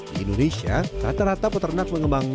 di indonesia rata rata peternak mengembang biak